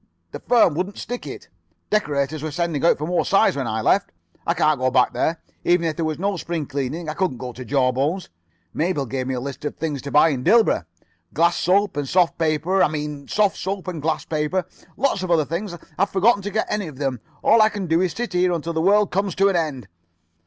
The firm wouldn't stick it. Decorators were sending out for more size when I left. I can't go back [Pg 69]there. Even if there were no spring cleaning I couldn't go to Jawbones. Mabel gave me a list of things to buy in Dilborough. Glass soap and soft paper. I mean soft soap and glass paper. Lots of other things. I've forgotten to get any of them. All I can do is to sit here until the world comes to an end.